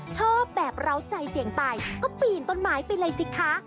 ชอบแบบร้าวใจเสียงไปก็ปีนต้นไม้ไปเลยสิคะ